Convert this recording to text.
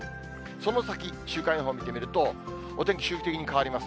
その先、週間予報見てみると、お天気、周期的に変わります。